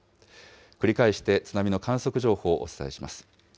繰り返して津波の観測情報、お伝えします。